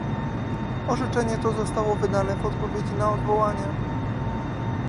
Orzeczenie to zostało wydane w odpowiedzi na odwołanie